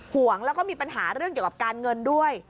ห่วงแล้วก็มีปัญหาเรื่องเกี่ยวกับการเงินด้วย